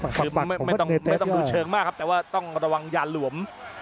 คือไม่ต้องดูเชิงมากครับแต่ว่าต้องระวังยาหลวม